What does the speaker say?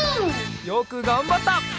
よくがんばった！